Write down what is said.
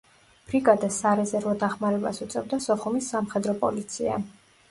ბრიგადას სარეზერვო დახმარებას უწევდა სოხუმის სამხედრო პოლიცია.